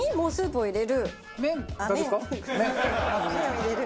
麺を入れる。